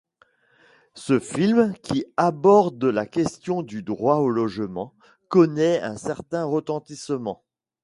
Ce film, qui aborde la question du droit au logement, connait un certain retentissement.